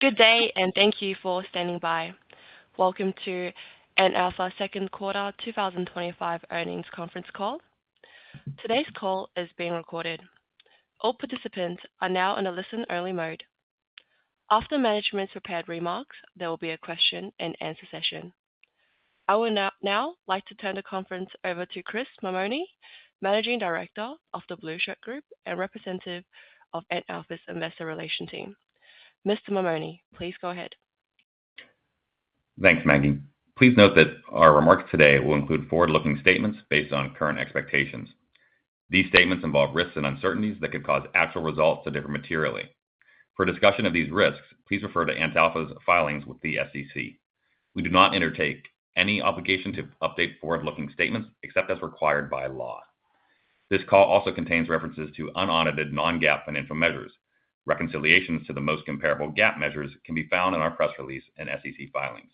Good day, and thank you for standing by. Welcome to Antalpha Second Quarter 2025 earnings conference call. Today's call is being recorded. All participants are now in a listen-only mode. After management's prepared remarks, there will be a question-and-answer session. I would now like to turn the conference over to Chris Mamone, Managing Director of The Blueshirt Group and representative of Antalpha's Investor Relations team. Mr. Mamone, please go ahead. Thanks, Maggie. Please note that our remarks today will include forward-looking statements based on current expectations. These statements involve risks and uncertainties that could cause actual results that differ materially. For discussion of these risks, please refer to Antalpha's filings with the SEC. We do not entertain any obligation to update forward-looking statements except as required by law. This call also contains references to unaudited non-GAAP financial measures. Reconciliations to the most comparable GAAP measures can be found in our press release and SEC filings.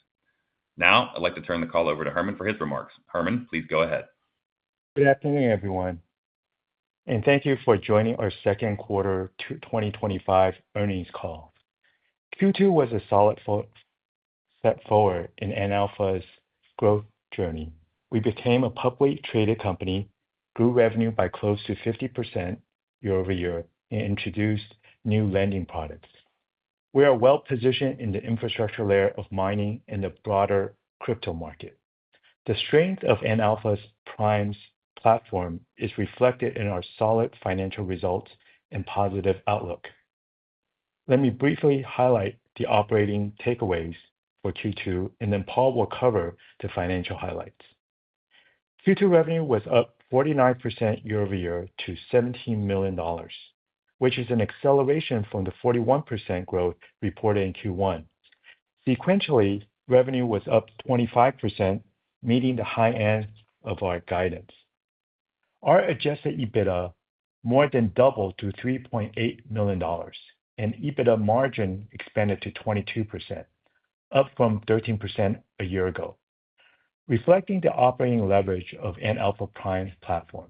Now, I'd like to turn the call over to Herman for his remarks. Herman, please go ahead. Good afternoon, everyone, and thank you for joining our Second Quarter 2025 earnings call. Q2 was a solid step forward in Antalpha's growth journey. We became a publicly traded company, grew revenue by close to 50% year-over-year, and introduced new lending products. We are well positioned in the infrastructure layer of mining and the broader crypto market. The strength of Antalpha's Prime platform is reflected in our solid financial results and positive outlook. Let me briefly highlight the operating takeaways for Q2, and then Paul will cover the financial highlights. Q2 revenue was up 49% year-over-year to 17 million dollars, which is an acceleration from the 41% growth reported in Q1. Sequentially, revenue was up 25%, meeting the high end of our guidance. Our Adjusted EBITDA more than doubled to 3.8 million dollars, and EBITDA margin expanded to 22%, up from 13% a year ago, reflecting the operating leverage of Antalpha Prime platform.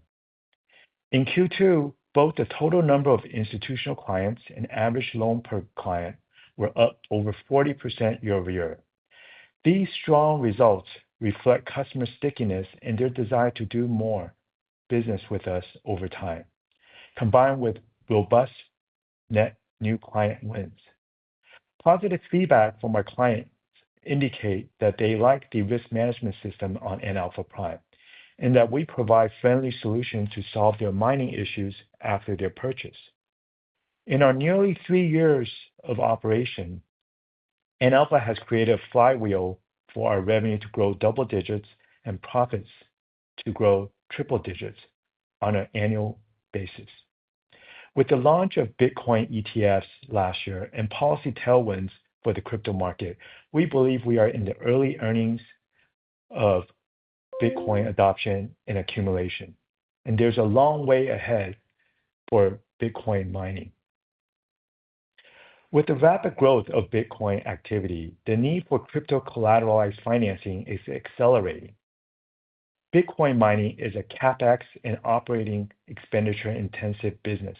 In Q2, both the total number of institutional clients and average loan per client were up over 40% year-over-year. These strong results reflect customer stickiness and their desire to do more business with us over time, combined with robust net new client wins. Positive feedback from our clients indicates that they like the risk management system on Antalpha Prime and that we provide friendly solutions to solve their mining issues after their purchase. In our nearly three years of operation, Antalpha has created a flywheel for our revenue to grow double digits and profits to grow triple digits on an annual basis. With the launch of Bitcoin ETFs last year and policy tailwinds for the crypto market, we believe we are in the early innings of Bitcoin adoption and accumulation, and there's a long way ahead for Bitcoin mining. With the rapid growth of Bitcoin activity, the need for crypto-collateralized financing is accelerating. Bitcoin mining is a CapEx and operating expenditure-intensive business.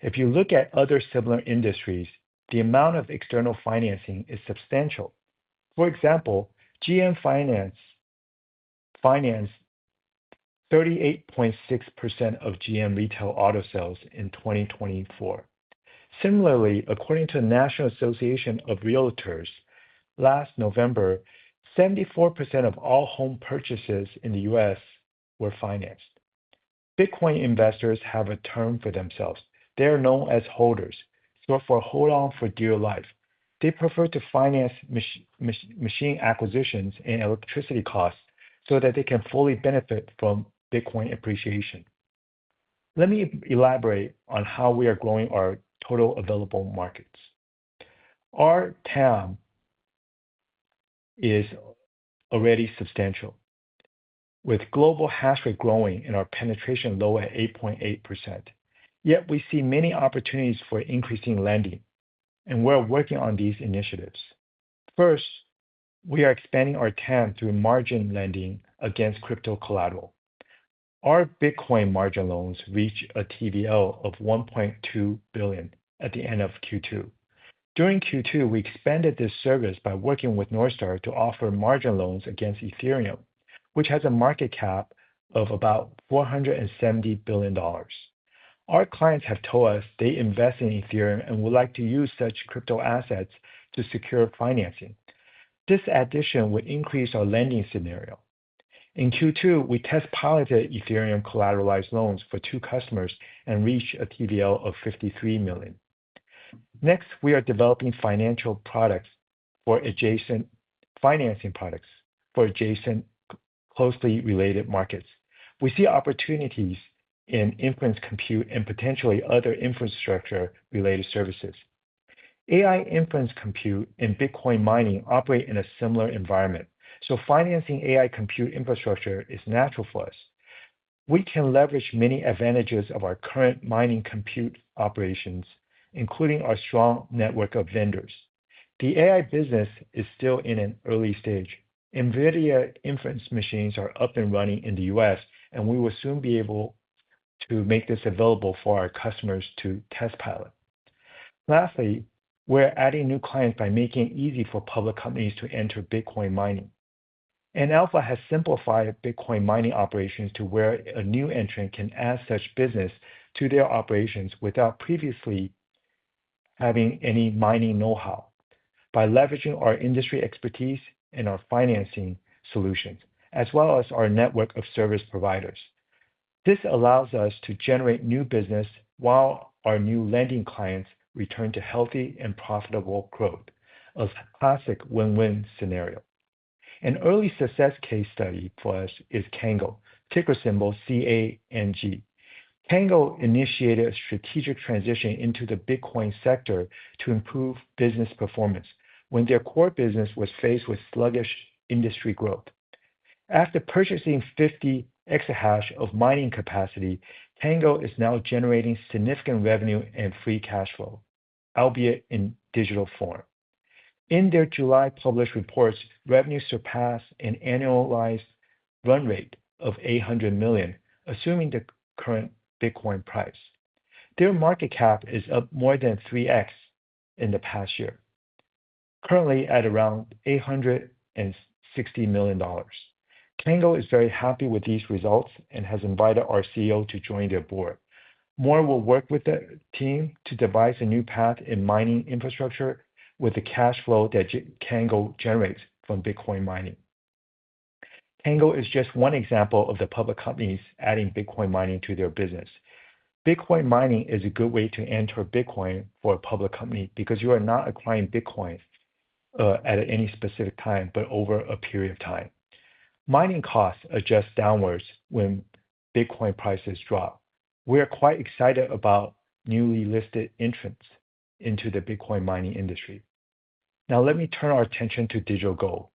If you look at other similar industries, the amount of external financing is substantial. For example, GM Financial financed 38.6% of GM retail auto sales in 2024. Similarly, according to the National Association of Realtors, last November, 74% of all home purchases in the U.S. were financed. Bitcoin investors have a term for themselves. They are known as Hodlers, short for "hold on for dear life." They prefer to finance machine acquisitions and electricity costs so that they can fully benefit from Bitcoin appreciation. Let me elaborate on how we are growing our total available markets. Our TAM is already substantial, with global hash rate growing and our penetration low at 8.8%. Yet we see many opportunities for increasing lending, and we're working on these initiatives. First, we are expanding our TAM through margin lending against crypto collateral. Our Bitcoin margin loans reached a TVL of 1.2 billion at the end of Q2. During Q2, we expanded this service by working with Northstar to offer margin loans against Ethereum, which has a market cap of about 470 billion dollars. Our clients have told us they invest in Ethereum and would like to use such crypto assets to secure financing. This addition would increase our lending scenario. In Q2, we test-piloted Ethereum collateralized loans for two customers and reached a TVL of 53 million. Next, we are developing financial products for adjacent financing products for adjacent closely related markets. We see opportunities in inference compute and potentially other infrastructure-related services. AI inference compute and Bitcoin mining operate in a similar environment, so financing AI compute infrastructure is natural for us. We can leverage many advantages of our current mining compute operations, including our strong network of vendors. The AI business is still in an early stage. NVIDIA inference machines are up and running in the U.S., and we will soon be able to make this available for our customers to test pilot. Lastly, we're adding new clients by making it easy for public companies to enter Bitcoin mining. Antalpha has simplified Bitcoin mining operations to where a new entrant can add such business to their operations without previously having any mining know-how by leveraging our industry expertise and our Financing Solutions, as well as our network of service providers. This allows us to generate new business while our new lending clients return to healthy and profitable growth, a classic win-win scenario. An early success case study for us is Cango, ticker symbol CANG. Cango initiated a strategic transition into the Bitcoin sector to improve business performance when their core business was faced with sluggish industry growth. After purchasing 50 exahash of mining capacity, Cango is now generating significant revenue and free cash flow, albeit in digital form. In their July published reports, revenue surpassed an annualized run rate of 800 million, assuming the current Bitcoin price. Their market cap is up more than 3x in the past year, currently at around 860 million dollars. Cango is very happy with these results and has invited our CEO to join their board. Moore will work with the team to devise a new path in mining infrastructure with the cash flow that Cango generates from Bitcoin mining. Cango is just one example of the public companies adding Bitcoin mining to their business. Bitcoin mining is a good way to enter Bitcoin for a public company because you are not acquiring Bitcoin at any specific time, but over a period of time. Mining costs adjust downwards when Bitcoin prices drop. We are quite excited about newly listed entrants into the Bitcoin mining industry. Now, let me turn our attention to digital gold.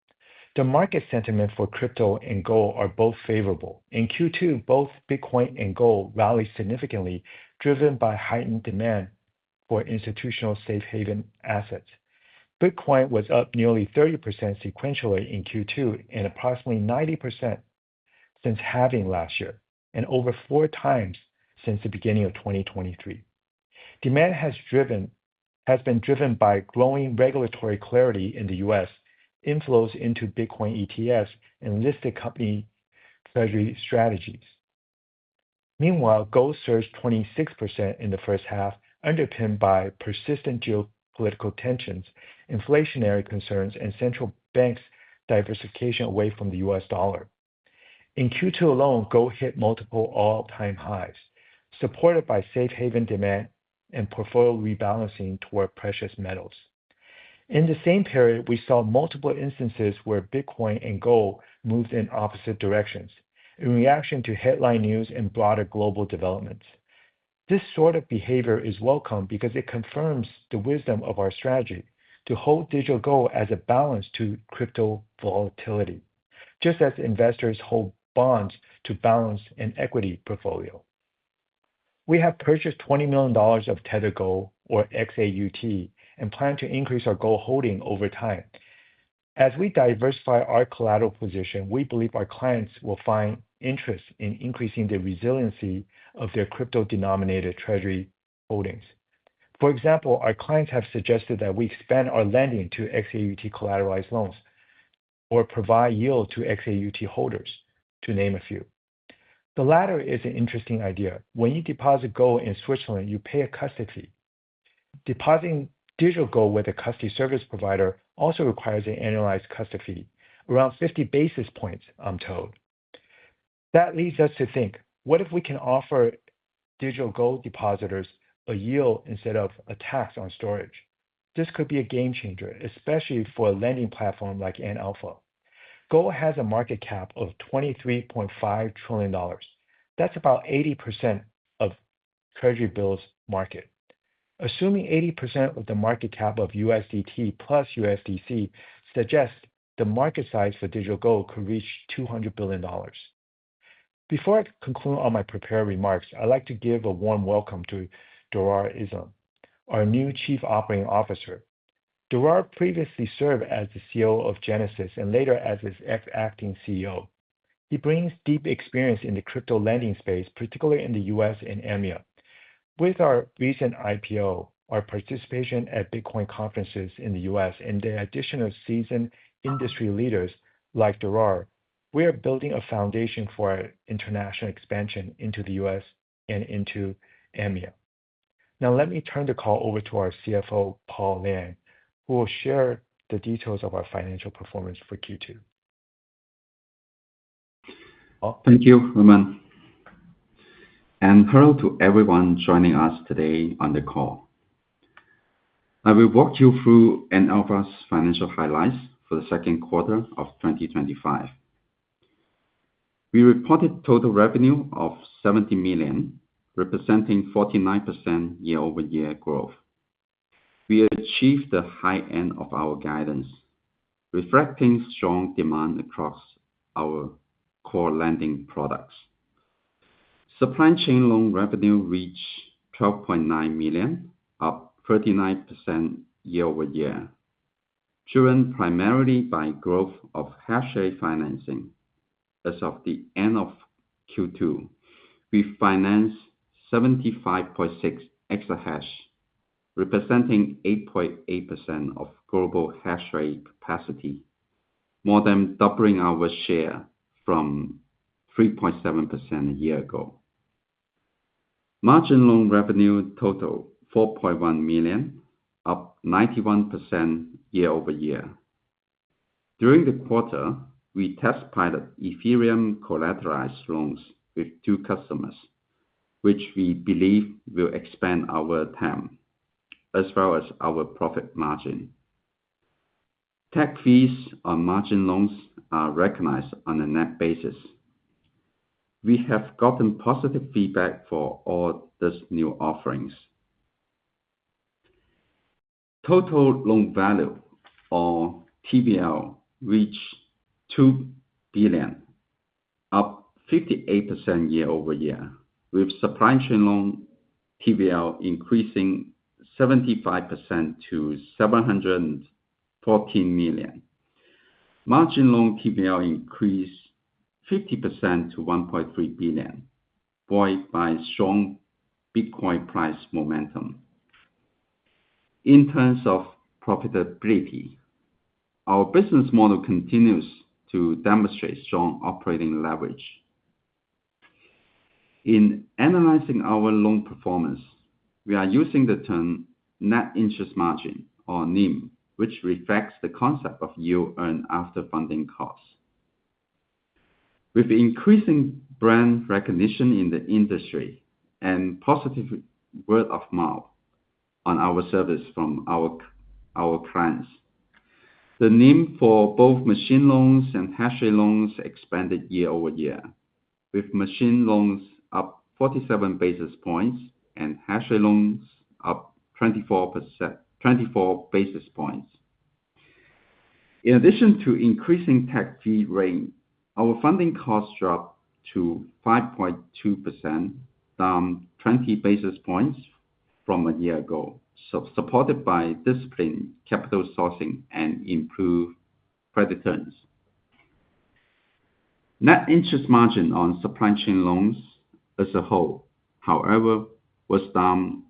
The market sentiment for crypto and gold are both favorable. In Q2, both Bitcoin and gold rallied significantly, driven by heightened demand for institutional safe-haven assets. Bitcoin was up nearly 30% sequentially in Q2 and approximately 90% since halving last year, and over four times since the beginning of 2023. Demand has been driven by growing regulatory clarity in the U.S., inflows into Bitcoin ETFs, and listed company treasury strategies. Meanwhile, gold surged 26% in the first half, underpinned by persistent geopolitical tensions, inflationary concerns, and central banks' diversification away from the U.S. dollar. In Q2 alone, gold hit multiple all-time highs, supported by safe-haven demand and portfolio rebalancing toward precious metals. In the same period, we saw multiple instances where Bitcoin and gold moved in opposite directions in reaction to headline news and broader global developments. This sort of behavior is welcome because it confirms the wisdom of our strategy to hold digital gold as a balance to crypto volatility, just as investors hold bonds to balance an equity portfolio. We have purchased 20 million dollars of Tether Gold, or XAUT, and plan to increase our gold holding over time. As we diversify our collateral position, we believe our clients will find interest in increasing the resiliency of their crypto-denominated treasury holdings. For example, our clients have suggested that we expand our lending to XAUT collateralized loans or provide yield to XAUT holders, to name a few. The latter is an interesting idea. When you deposit gold in Switzerland, you pay a custody fee. Depositing digital gold with a custody service provider also requires an annualized custody fee, around 50 basis points, I'm told. That leads us to think, what if we can offer digital gold depositors a yield instead of a tax on storage? This could be a game changer, especially for a lending platform like Antalpha. Gold has a market cap of 23.5 trillion dollars. That's about 80% of Treasury bills' market. Assuming 80% of the market cap of USDT plus USDC suggests the market size for digital gold could reach 200 billion dollars. Before I conclude all my prepared remarks, I'd like to give a warm welcome to Derar Islim, our new Chief Operating Officer. Derar previously served as the CEO of Genesis and later as its acting CEO. He brings deep experience in the crypto lending space, particularly in the U.S. and EMEA. With our recent IPO, our participation at Bitcoin conferences in the U.S., and the addition of seasoned industry leaders like Derar, we are building a foundation for our international expansion into the U.S. and into EMEA. Now, let me turn the call over to our CFO, Paul Lang, who will share the details of our financial performance for Q2. Thank you, Herman, and hello to everyone joining us today on the call. I will walk you through Antalpha's financial highlights for the second quarter of 2025. We reported total revenue of 17 million, representing 49% year-over-year growth. We achieved the high end of our guidance, reflecting strong demand across our core lending products. Supply chain loan revenue reached 12.9 million, up 39% year-over-year, driven primarily by growth of hash rate financing. As of the end of Q2, we financed 75.6 exahash, representing 8.8% of global hash rate capacity, more than doubling our share from 3.7% a year ago. Margin loan revenue totaled 4.1 million, up 91% year-over-year. During the quarter, we test-piloted Ethereum collateralized loans with two customers, which we believe will expand our TAM as well as our profit margin. Tech fees on margin loans are recognized on a net basis. We have gotten positive feedback for all these new offerings. Total loan value, or TVL, reached 2 billion, up 58% year-over-year, with supply chain loan TVL increasing 75% to 714 million. Margin loan TVL increased 50% to 1.3 billion, buoyed by strong Bitcoin price momentum. In terms of profitability, our business model continues to demonstrate strong operating leverage. In analyzing our loan performance, we are using the term net interest margin, or NIM, which reflects the concept of yield earned after funding costs. With increasing brand recognition in the industry and positive word of mouth on our service from our clients, the NIM for both machine loans and hash rate loans expanded year-over-year, with machine loans up 47 basis points and hash rate loans up 24 basis points. In addition to increasing the fee rate, our funding costs dropped to 5.2%, down 20 basis points from a year ago, supported by disciplined capital sourcing and improved credit terms. Net interest margin on supply chain loans as a whole, however, was down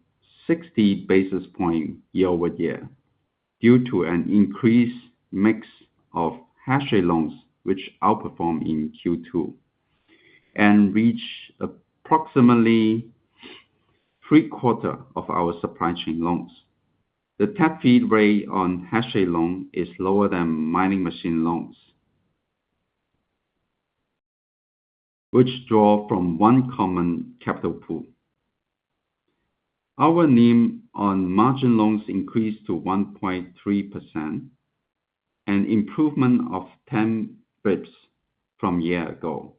60 basis points year-over-year due to an increased mix of hash rate loans, which outperformed in Q2 and reached approximately three quarters of our supply chain loans. The tech fee rate on hash rate loans is lower than mining machine loans, which draw from one common capital pool. Our NIM on margin loans increased to 1.3%, an improvement of 10 basis points from a year ago,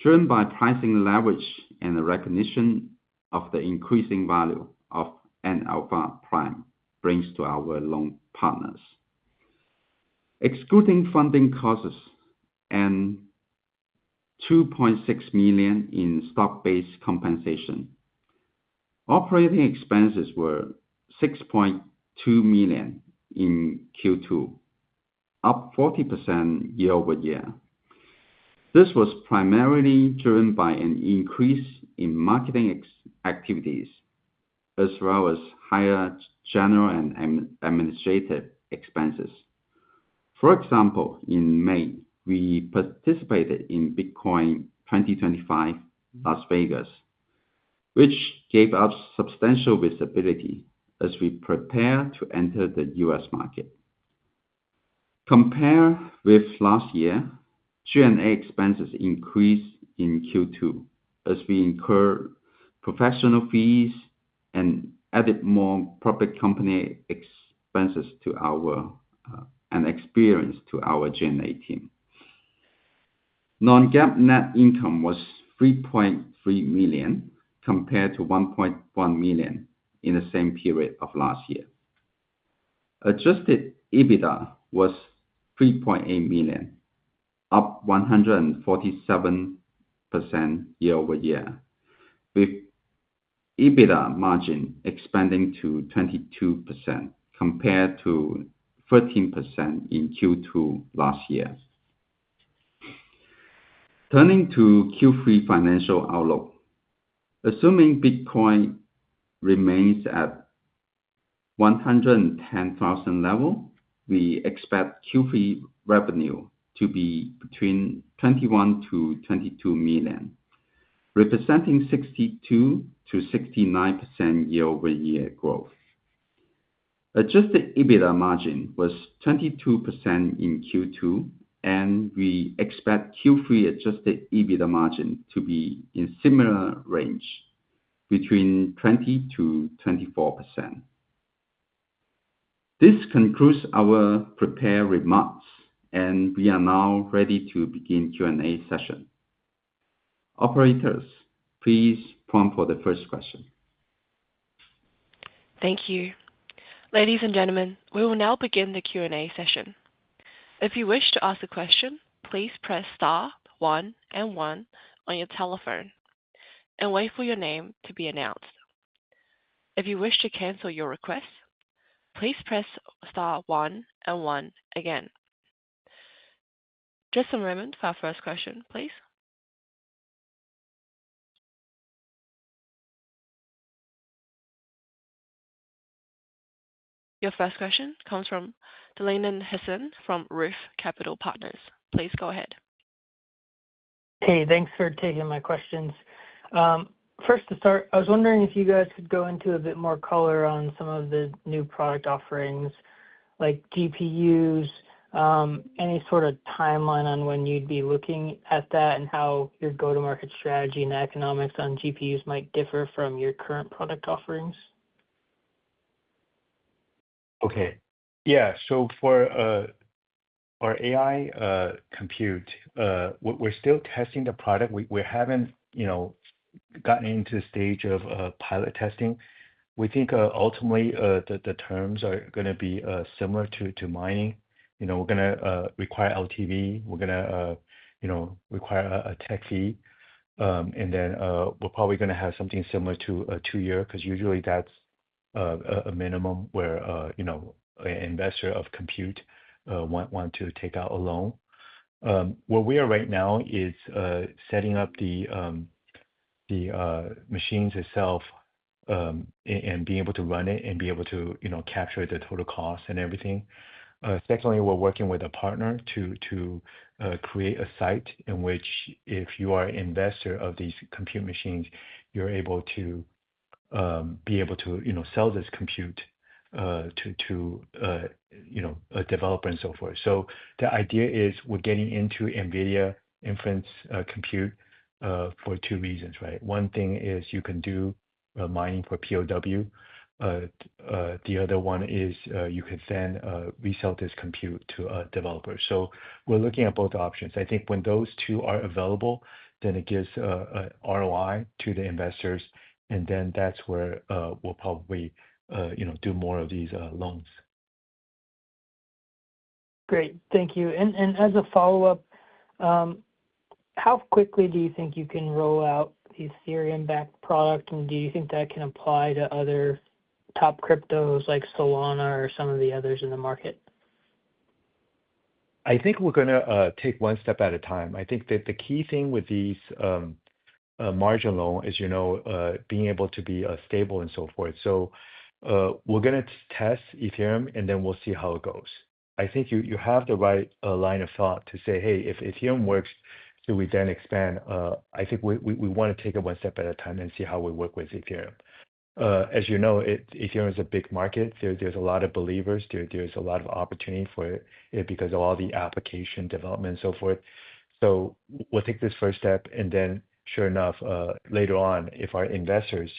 driven by pricing leverage and the recognition of the increasing value of Antalpha Prime brings to our loan partners. Excluding funding costs and 2.6 million in stock-based compensation, operating expenses were 6.2 million in Q2, up 40% year-over-year. This was primarily driven by an increase in marketing activities as well as higher general and administrative expenses. For example, in May, we participated in Bitcoin 2025 Las Vegas, which gave us substantial visibility as we prepared to enter the U.S. market. Compared with last year, G&A expenses increased in Q2 as we incurred professional fees and added more public company expenses to our-and experience to our G&A team. Non-GAAP net income was 3.3 million compared to 1.1 million in the same period of last year. Adjusted EBITDA was 3.8 million, up 147% year-over-year, with EBITDA margin expanding to 22% compared to 13% in Q2 last year. Turning to Q3 financial outlook, assuming Bitcoin remains at 110,000 level, we expect Q3 revenue to be between 21-22 million, representing 62%-69% year-over-year growth. Adjusted EBITDA margin was 22% in Q2, and we expect Q3 Adjusted EBITDA margin to be in a similar range, between 20%-24%. This concludes our prepared remarks, and we are now ready to begin the Q&A session. Operators, please prompt for the first question. Thank you. Ladies and gentlemen, we will now begin the Q&A session. If you wish to ask a question, please press star 1 and 1 on your telephone and wait for your name to be announced. If you wish to cancel your request, please press star 1 and 1 again. Just a moment for our first question, please. Your first question comes from Dillon Heslin from Roth Capital Partners. Please go ahead. Hey, thanks for taking my questions. First to start, I was wondering if you guys could go into a bit more color on some of the new product offerings, like GPUs, any sort of timeline on when you'd be looking at that and how your go-to-market strategy and economics on GPUs might differ from your current product offerings. Okay. Yeah. So for our AI compute, we're still testing the product. We haven't gotten into the stage of pilot testing. We think ultimately the terms are going to be similar to mining. We're going to require LTV. We're going to require a tech fee. And then we're probably going to have something similar to a two-year because usually that's a minimum where an investor of compute wants to take out a loan. Where we are right now is setting up the machines itself and being able to run it and be able to capture the total cost and everything. Secondly, we're working with a partner to create a site in which if you are an investor of these compute machines, you're able to be able to sell this compute to a developer and so forth. So the idea is we're getting into NVIDIA inference compute for two reasons, right? One thing is you can do mining for PoW. The other one is you can then resell this compute to a developer. So we're looking at both options. I think when those two are available, then it gives an ROI to the investors, and then that's where we'll probably do more of these loans. Great. Thank you. And as a follow-up, how quickly do you think you can roll out the Ethereum-backed product, and do you think that can apply to other top cryptos like Solana or some of the others in the market? I think we're going to take one step at a time. I think that the key thing with these margin loans is being able to be stable and so forth. So we're going to test Ethereum, and then we'll see how it goes. I think you have the right line of thought to say, "Hey, if Ethereum works, should we then expand?" I think we want to take it one step at a time and see how we work with Ethereum. As you know, Ethereum is a big market. There's a lot of believers. There's a lot of opportunity for it because of all the application development and so forth. So we'll take this first step, and then sure enough, later on, if our investors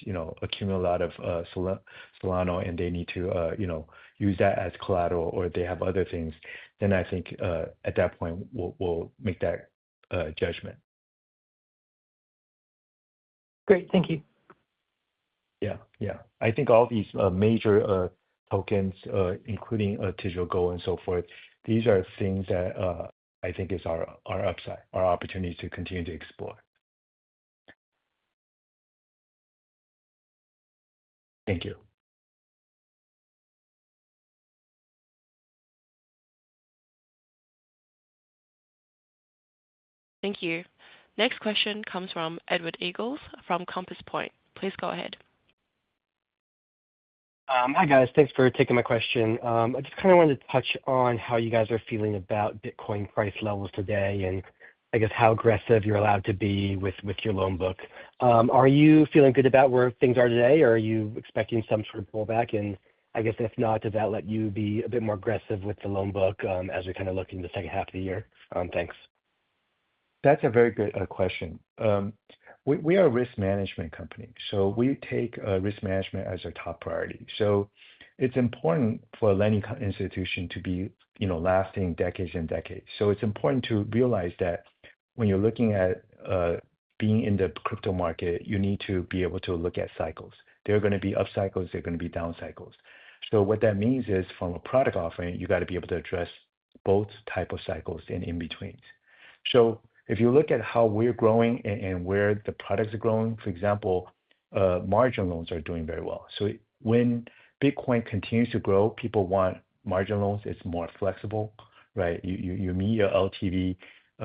accumulate a lot of Solana and they need to use that as collateral or they have other things, then I think at that point we'll make that judgment. Great. Thank you. Yeah, yeah. I think all these major tokens, including digital gold and so forth, these are things that I think are our upside, our opportunity to continue to explore. Thank you. Thank you. Next question comes from Edward Engel from Compass Point. Please go ahead. Hi guys. Thanks for taking my question. I just kind of wanted to touch on how you guys are feeling about Bitcoin price levels today and I guess how aggressive you're allowed to be with your loan book. Are you feeling good about where things are today, or are you expecting some sort of pullback? And I guess if not, does that let you be a bit more aggressive with the loan book as we're kind of looking into the second half of the year? Thanks. That's a very good question. We are a Risk Management company, so we take risk management as our top priority. So it's important for a lending institution to be lasting decades and decades. So it's important to realize that when you're looking at being in the crypto market, you need to be able to look at cycles. There are going to be upcycles, there are going to be downcycles. So what that means is from a product offering, you got to be able to address both types of cycles and in-betweens. So if you look at how we're growing and where the products are growing, for example, margin loans are doing very well. So when Bitcoin continues to grow, people want margin loans. It's more flexible, right? You need your LTV.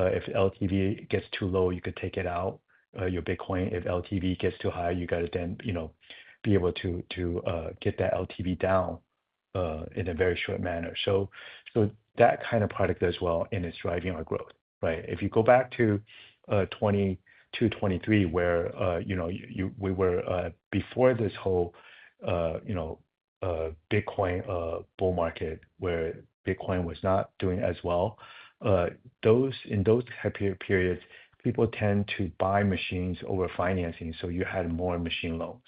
If LTV gets too low, you could take it out. Your Bitcoin, if LTV gets too high, you got to then be able to get that LTV down in a very short manner. So that kind of product as well is driving our growth, right? If you go back to 2022, 2023, where we were before this whole Bitcoin bull market where Bitcoin was not doing as well, in those periods, people tend to buy machines over financing. So you had more machine loans,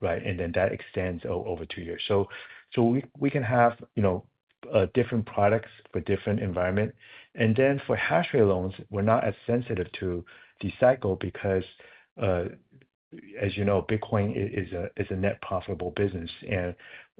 right? And then that extends over two years. So we can have different products for different environments. And then for hash rate loans, we're not as sensitive to the cycle because, as you know, Bitcoin is a net profitable business. And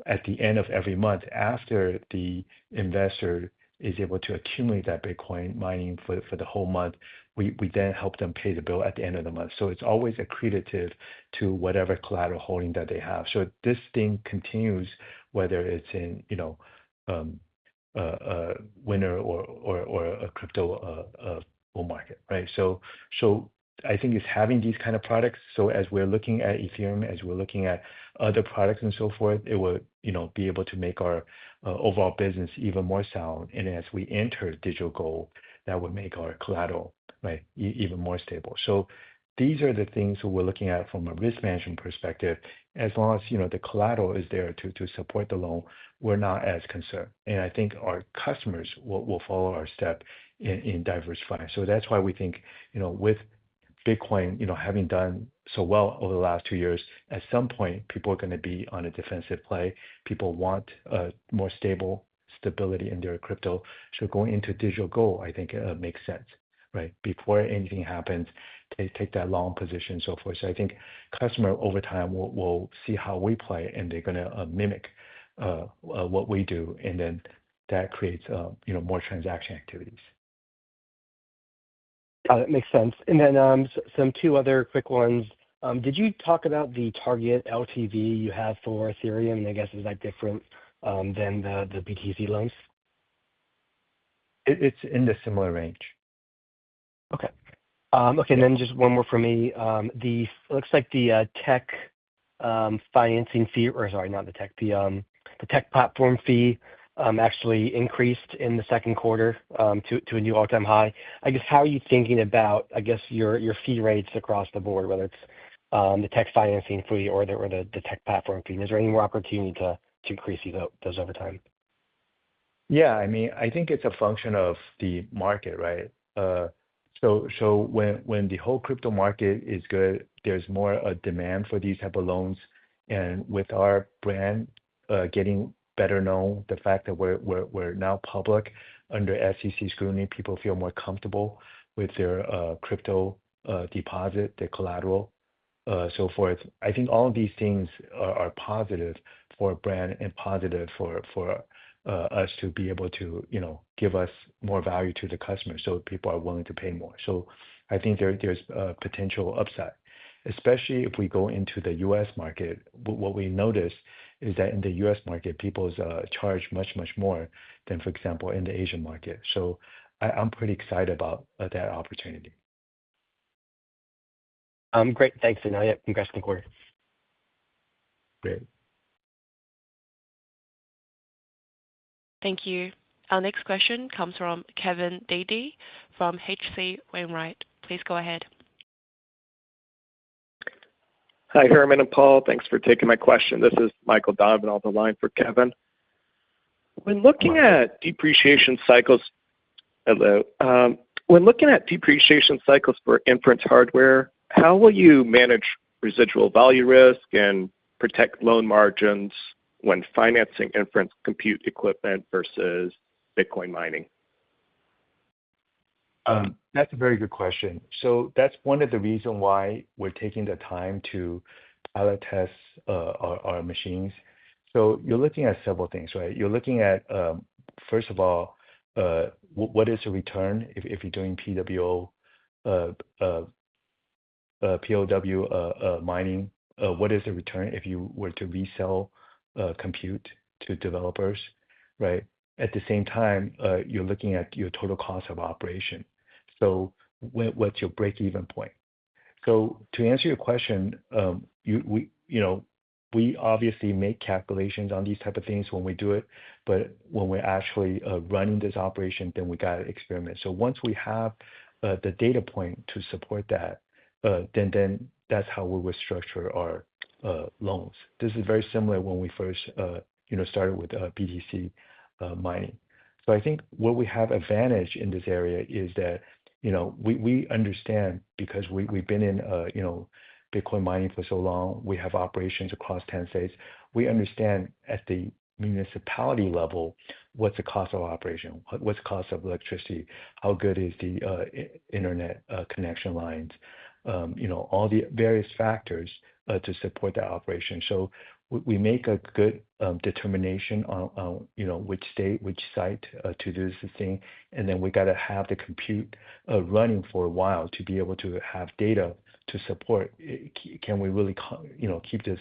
at the end of every month, after the investor is able to accumulate that Bitcoin mining for the whole month, we then help them pay the bill at the end of the month. So it's always accretive to whatever collateral holding that they have. So this thing continues, whether it's in winter or a crypto bull market, right? So I think it's having these kind of products. So as we're looking at Ethereum, as we're looking at other products and so forth, it will be able to make our overall business even more sound. And as we enter digital gold, that will make our collateral, right, even more stable. So these are the things we're looking at from a risk management perspective. As long as the collateral is there to support the loan, we're not as concerned. And I think our customers will follow our step in diversifying. So that's why we think with Bitcoin having done so well over the last two years, at some point, people are going to be on a defensive play. People want more stable stability in their crypto. So going into Cango, I think makes sense, right? Before anything happens, they take that long position and so forth. So I think customers over time will see how we play, and they're going to mimic what we do. And then that creates more transaction activities. That makes sense. And then some two other quick ones. Did you talk about the target LTV you have for Ethereum? And I guess is that different than the BTC loans? It's in the similar range. Okay. Okay. And then just one more for me. It looks like the tech financing fee, or sorry, not the tech, the tech platform fee actually increased in the second quarter to a new all-time high. I guess how are you thinking about your fee rates across the board, whether it's the tech financing fee or the tech platform fee? And is there any more opportunity to increase those over time? Yeah. I mean, I think it's a function of the market, right? So when the whole crypto market is good, there's more demand for these types of loans. And with our brand getting better known, the fact that we're now public under SEC scrutiny, people feel more comfortable with their crypto deposit, their collateral, so forth. I think all of these things are positive for a brand and positive for us to be able to give us more value to the customers so people are willing to pay more. So I think there's potential upside, especially if we go into the U.S. market. What we noticed is that in the U.S. market, people charge much, much more than, for example, in the Asian market. So I'm pretty excited about that opportunity. Great. Thanks, Herman. Congratulations on the quarter. Great. Thank you. Our next question comes from Kevin Dede from H.C. Wainwright. Please go ahead. Hi, Herman and Paul. Thanks for taking my question. This is Michael Donovan on the line for Kevin. When looking at depreciation cycles for inference hardware, how will you manage residual value risk and protect loan margins when financing inference compute equipment versus Bitcoin mining? That's a very good question. So that's one of the reasons why we're taking the time to pilot test our machines. So you're looking at several things, right? You're looking at, first of all, what is the return if you're doing PoW mining? What is the return if you were to resell compute to developers, right? At the same time, you're looking at your total cost of operation. So what's your break-even point? So to answer your question, we obviously make calculations on these types of things when we do it. But when we're actually running this operation, then we got to experiment. So once we have the data point to support that, then that's how we would structure our loans. This is very similar when we first started with BTC mining. So I think where we have advantage in this area is that we understand because we've been in Bitcoin mining for so long. We have operations across 10 states. We understand at the municipality level what's the cost of operation, what's the cost of electricity, how good is the internet connection lines, all the various factors to support that operation. So we make a good determination on which state, which site to do this thing. And then we got to have the compute running for a while to be able to have data to support. Can we really keep this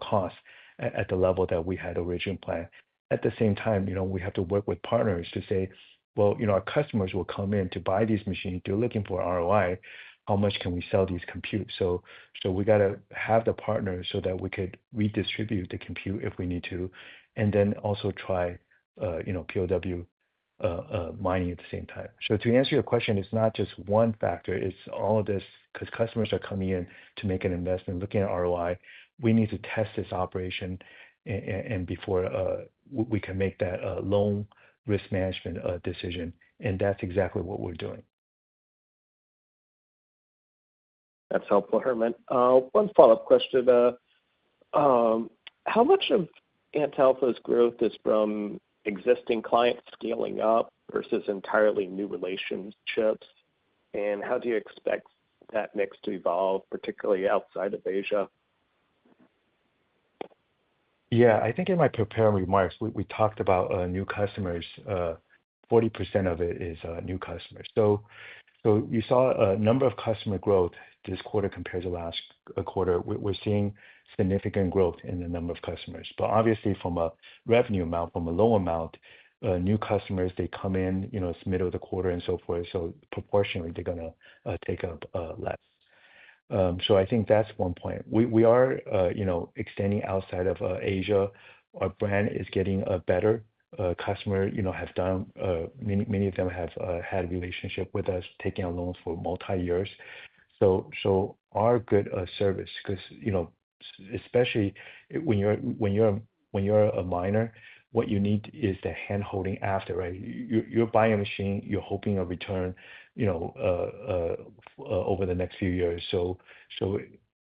cost at the level that we had originally planned? At the same time, we have to work with partners to say, "Well, our customers will come in to buy these machines. They're looking for ROI. How much can we sell these compute?" So we got to have the partners so that we could redistribute the compute if we need to, and then also try PoW mining at the same time. So to answer your question, it's not just one factor. It's all of this because customers are coming in to make an investment, looking at ROI. We need to test this operation before we can make that loan risk management decision. And that's exactly what we're doing. That's helpful, Herman. One follow-up question. How much of Antalpha's growth is from existing clients scaling up versus entirely new relationships? And how do you expect that mix to evolve, particularly outside of Asia? Yeah, I think in my prepared remarks, we talked about new customers. 40% of it is new customers. So you saw a number of customer growth this quarter compared to last quarter. We're seeing significant growth in the number of customers. But obviously, from a revenue amount, from a loan amount, new customers, they come in, it's middle of the quarter and so forth. So I think that's one point. We are extending outside of Asia. Our brand is getting a better customer. Many of them have had a relationship with us, taking a loan for multi-years. So our good service because especially when you're a miner, what you need is the handholding after, right? You're buying a machine, you're hoping a return over the next few years. So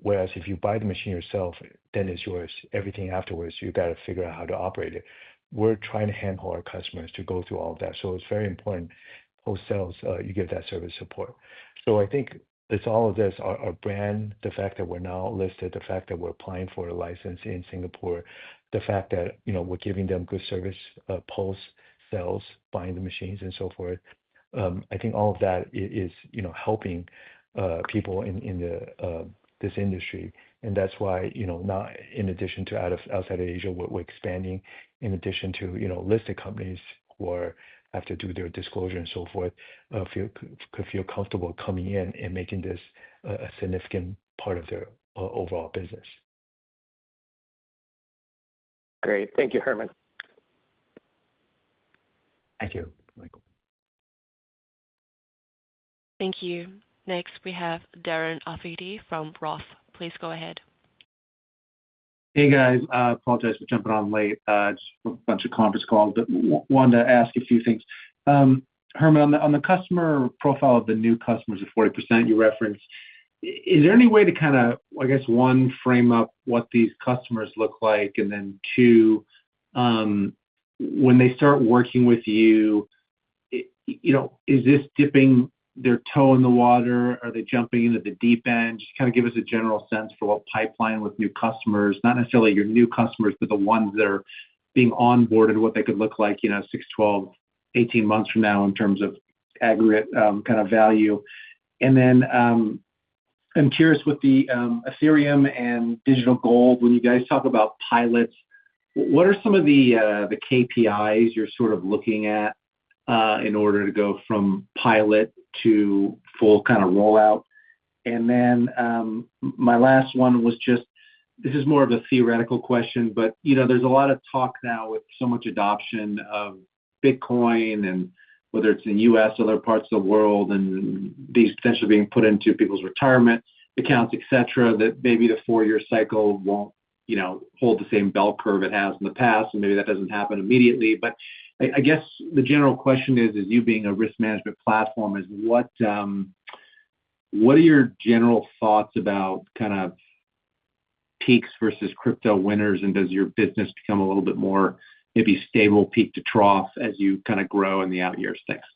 whereas if you buy the machine yourself, then it's yours. Everything afterwards, you got to figure out how to operate it. We're trying to handle our customers to go through all of that. So it's very important, post-sales, you give that service support. So I think it's all of this. Our brand, the fact that we're now listed, the fact that we're applying for a license in Singapore, the fact that we're giving them good service, post-sales, buying the machines, and so forth. I think all of that is helping people in this industry. And that's why now, in addition to outside of Asia, we're expanding in addition to listed companies who have to do their disclosure and so forth, could feel comfortable coming in and making this a significant part of their overall business. Great. Thank you, Herman. Thank you, Michael. Thank you. Next, we have Darren Aftahi from Roth. Please go ahead. Hey, guys. Apologize for jumping on late. Just a bunch of conference calls. But wanted to ask a few things. Herman, on the customer profile of the new customers of 40% you referenced, is there any way to kind of, I guess, one, frame up what these customers look like? And then two, when they start working with you, is this dipping their toe in the water? Are they jumping into the deep end? Just kind of give us a general sense for what pipeline with new customers, not necessarily your new customers, but the ones that are being onboarded, what they could look like six, 12, 18 months from now in terms of aggregate kind of value. Then I'm curious with the Ethereum and digital gold, when you guys talk about pilots, what are some of the KPIs you're sort of looking at in order to go from pilot to full kind of rollout? And then my last one was just, this is more of a theoretical question, but there's a lot of talk now with so much adoption of Bitcoin and whether it's in the U.S., other parts of the world, and these potentially being put into people's retirement accounts, etc., that maybe the four-year cycle won't hold the same bell curve it has in the past. And maybe that doesn't happen immediately. But I guess the general question is, as you being a risk management platform, what are your general thoughts about kind of peaks versus crypto winters? Does your business become a little bit more maybe stable peak to trough as you kind of grow in the out years? Thanks.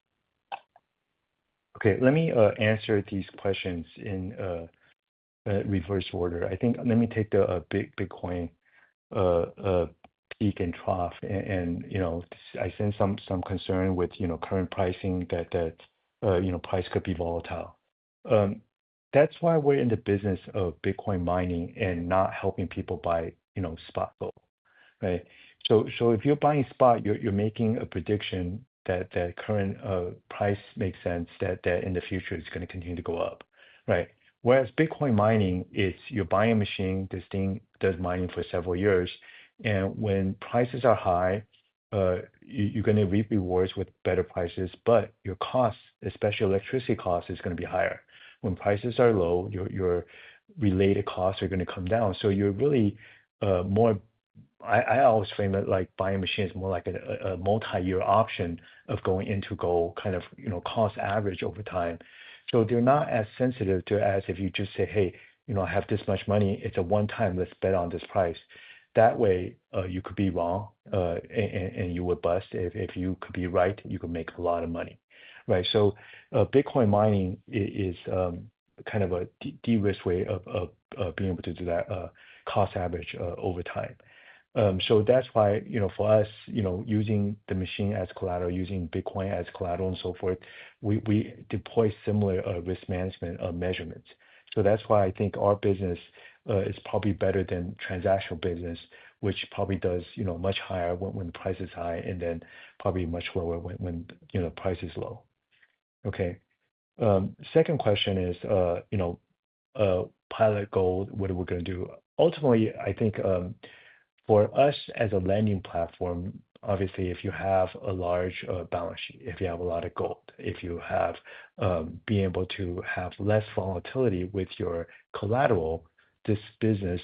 Okay. Let me answer these questions in reverse order. I think let me take the Bitcoin peak and trough. I sense some concern with current pricing that price could be volatile. That's why we're in the business of Bitcoin mining and not helping people buy spot gold, right? So if you're buying spot, you're making a prediction that current price makes sense that in the future it's going to continue to go up, right? Whereas Bitcoin mining, you're buying a machine, this thing does mining for several years. When prices are high, you're going to reap rewards with better prices, but your cost, especially electricity cost, is going to be higher. When prices are low, your related costs are going to come down. So you're really more. I always frame it like buying a machine is more like a multi-year option of going into gold, kind of cost average over time. So they're not as sensitive to as if you just say, "Hey, I have this much money. It's a one-time let's bet on this price." That way, you could be wrong and you would bust. If you could be right, you could make a lot of money, right? So Bitcoin mining is kind of a de-risk way of being able to do that cost average over time. So that's why for us, using the machine as collateral, using Bitcoin as collateral and so forth, we deploy similar risk management measurements. So that's why I think our business is probably better than transactional business, which probably does much higher when the price is high and then probably much lower when the price is low. Okay. Second question is physical gold, what are we going to do? Ultimately, I think for us as a lending platform, obviously, if you have a large balance sheet, if you have a lot of gold, if you have been able to have less volatility with your collateral, this business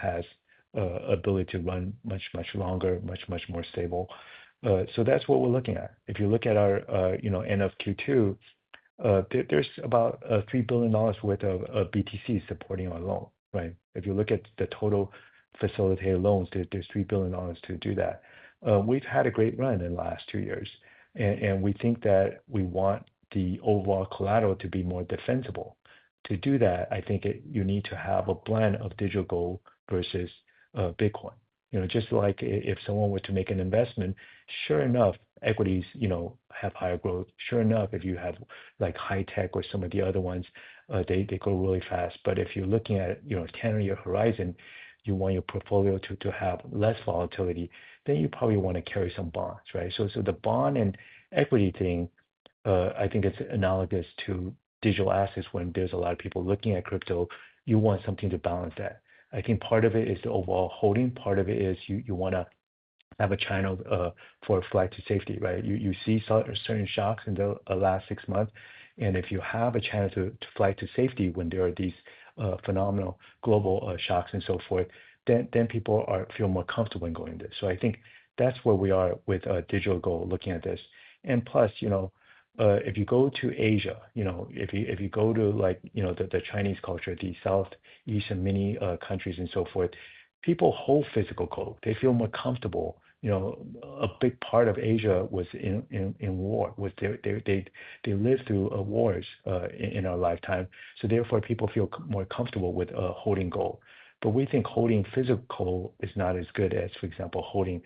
has the ability to run much, much longer, much, much more stable. So that's what we're looking at. If you look at our Q2, there's about 3 billion dollars worth of BTC supporting our loan, right? If you look at the total facilitated loans, there's 3 billion dollars to do that. We've had a great run in the last two years. And we think that we want the overall collateral to be more defensible. To do that, I think you need to have a blend of digital gold versus Bitcoin. Just like if someone were to make an investment, sure enough, equities have higher growth. Sure enough, if you have high tech or some of the other ones, they grow really fast. But if you're looking at 10-year horizon, you want your portfolio to have less volatility, then you probably want to carry some bonds, right? So the bond and equity thing, I think it's analogous to digital assets when there's a lot of people looking at crypto. You want something to balance that. I think part of it is the overall holding. Part of it is you want to have a channel for flight to safety, right? You see certain shocks in the last six months. And if you have a chance to flight to safety when there are these phenomenal global shocks and so forth, then people feel more comfortable in going there. So I think that's where we are with digital gold looking at this. And plus, if you go to Asia, if you go to the Chinese culture, the Southeast Asian countries and so forth, people hold physical gold. They feel more comfortable. A big part of Asia was in war. They lived through wars in our lifetime. So therefore, people feel more comfortable with holding gold. But we think holding physical gold is not as good as, for example, holding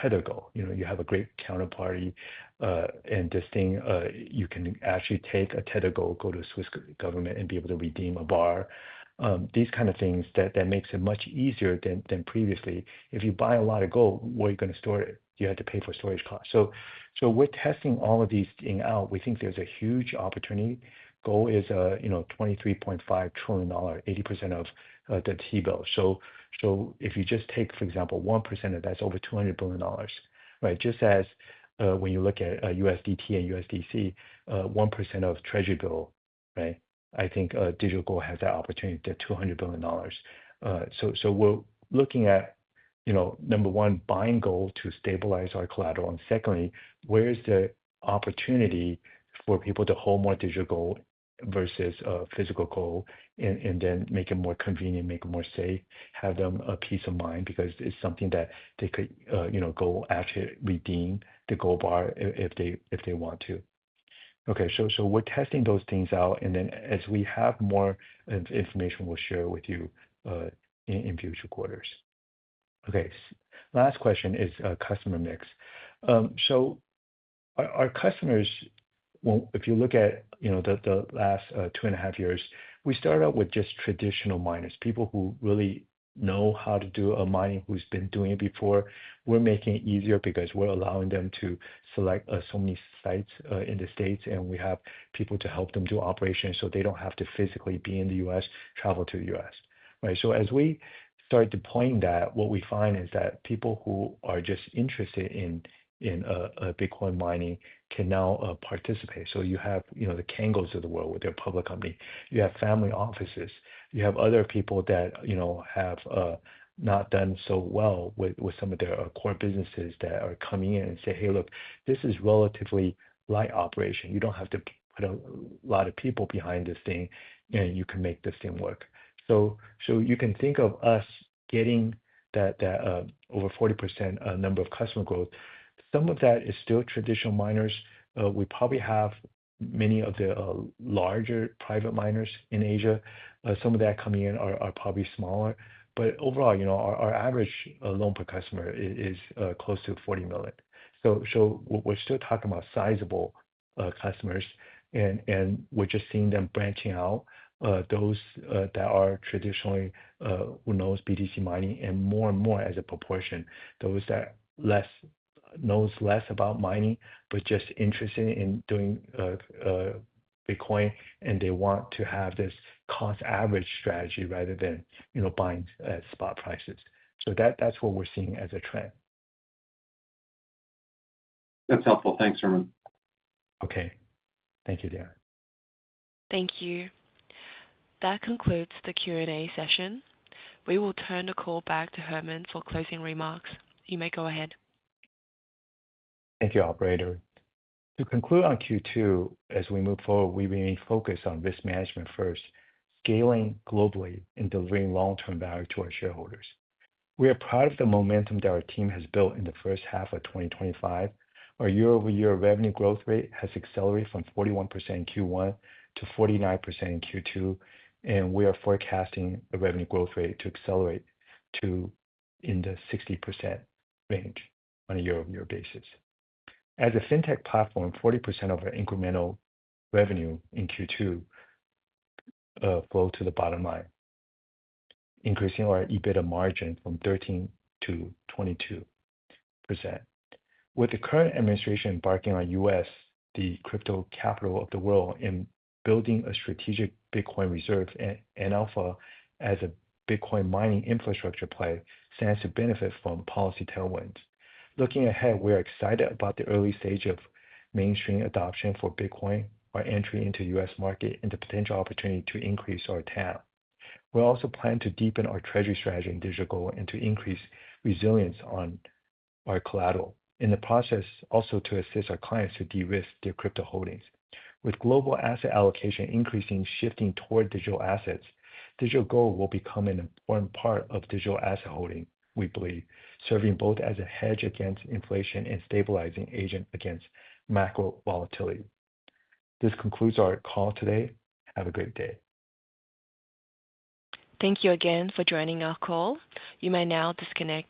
Tether Gold. You have a great counterparty and this thing, you can actually take a Tether Gold, go to the Swiss government and be able to redeem a bar. These kinds of things that make it much easier than previously. If you buy a lot of gold, where are you going to store it? You have to pay for storage costs. So we're testing all of these things out. We think there's a huge opportunity. Gold is 23.5 trillion dollar, 80% of the T-bill. So if you just take, for example, 1% of that, that's over 200 billion dollars, right? Just as when you look at USDT and USDC, 1% of Treasury bill, right? I think digital gold has that opportunity, the 200 billion dollars. So we're looking at, number one, buying gold to stabilize our collateral. And secondly, where is the opportunity for people to hold more digital gold versus physical gold and then make it more convenient, make it more safe, have them a peace of mind because it's something that they could go after, redeem the gold bar if they want to. Okay. So we're testing those things out. And then as we have more information, we'll share with you in future quarters. Okay. Last question is customer mix. So our customers, if you look at the last two and a half years, we started out with just traditional miners, people who really know how to do a mining, who's been doing it before. We're making it easier because we're allowing them to select so many sites in the States, and we have people to help them do operations so they don't have to physically be in the U.S., travel to the U.S., right? So as we start deploying that, what we find is that people who are just interested in Bitcoin mining can now participate. So you have the Cangos of the world with their public company. You have family offices. You have other people that have not done so well with some of their core businesses that are coming in and say, "Hey, look, this is relatively light operation. You don't have to put a lot of people behind this thing, and you can make this thing work." So you can think of us getting that over 40% number of customer growth. Some of that is still traditional miners. We probably have many of the larger private miners in Asia. Some of that coming in are probably smaller. But overall, our average loan per customer is close to 40 million. So we're still talking about sizable customers, and we're just seeing them branching out. Those that are traditionally, you know, BTC mining and more and more as a proportion, those that know less about mining but just interested in doing Bitcoin, and they want to have this cost average strategy rather than buying at spot prices. So that's what we're seeing as a trend. That's helpful. Thanks, Herman. Okay. Thank you, Darren. Thank you. That concludes the Q&A session. We will turn the call back to Herman for closing remarks. You may go ahead. Thank you, Operator. To conclude our Q2, as we move forward, we remain focused on Risk Management first, scaling globally and delivering long-term value to our shareholders. We are proud of the momentum that our team has built in the first half of 2025. Our year-over-year revenue growth rate has accelerated from 41% in Q1 to 49% in Q2, and we are forecasting a revenue growth rate to accelerate to in the 60% range on a year-over-year basis. As a fintech platform, 40% of our incremental revenue in Q2 flowed to the bottom line, increasing our EBITDA margin from 13%-22%. With the current administration embarking on U.S., the crypto capital of the world, and building a strategic Bitcoin reserve, and Antalpha as a Bitcoin mining infrastructure play stands to benefit from policy tailwinds. Looking ahead, we are excited about the early stage of mainstream adoption for Bitcoin, our entry into the U.S. market, and the potential opportunity to increase our TAM. We also plan to deepen our Treasury strategy in digital gold and to increase resilience on our collateral in the process, also to assist our clients to de-risk their crypto holdings. With global asset allocation increasing, shifting toward digital assets, digital gold will become an important part of digital asset holding, we believe, serving both as a hedge against inflation and stabilizing agent against macro volatility. This concludes our call today. Have a great day. Thank you again for joining our call. You may now disconnect.